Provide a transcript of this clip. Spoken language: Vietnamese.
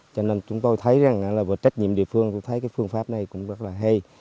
cho nên chúng tôi thấy rằng là về trách nhiệm địa phương tôi thấy cái phương pháp này cũng rất là hay